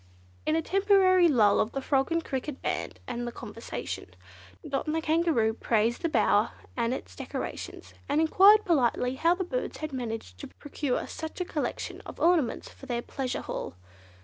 In a temporary lull of the frog and cricket band and the conversation, Dot and the Kangaroo praised the bower and its decorations, and enquired politely how the birds had managed to procure such a collection of ornaments for their pleasure hall.